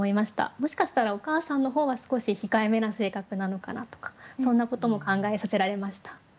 もしかしたらお母さんの方は少し控えめな性格なのかなとかそんなことも考えさせられました。